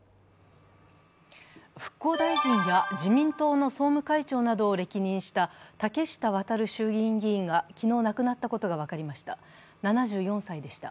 復興大臣や自民党の総務会長などを歴任した竹下亘衆議院議員が昨日亡くなったことが分かりました。